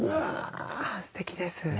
すてきです。